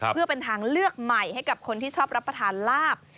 เพื่อเป็นทางเลือกใหม่ให้กับคนที่ชอบรับประทานลาบ